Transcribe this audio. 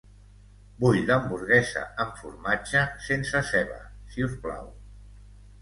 Vull l'hamburguesa amb formatge sense ceba, si us plau.